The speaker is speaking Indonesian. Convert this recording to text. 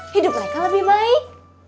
hidup mereka lebih baik